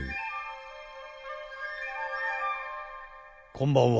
こんばんは。